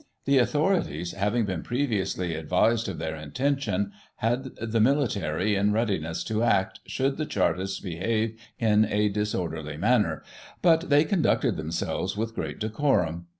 The authorities, having been previously advised of their intention, had the military in readiness to act, should the Chartists behave in a disorderly manner : but they conducted themselves with great decorum.